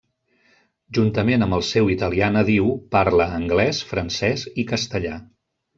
Juntament amb el seu italià nadiu, parla anglès, francès i castellà.